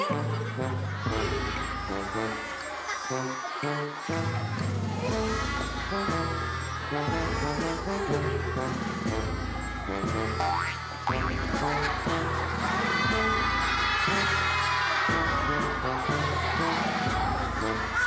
maka otomatis yang akan menjadi ketuakelas kita adalah